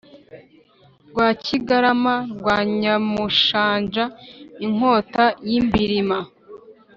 Rwakigarama rwa Nyamushanja inkota y’i Mbilima